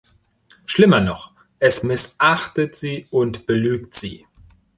Schlimmer noch, es missachtet sie und belügt sie.